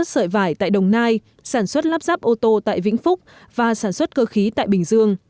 sợi vải tại đồng nai sản xuất lắp ráp ô tô tại vĩnh phúc và sản xuất cơ khí tại bình dương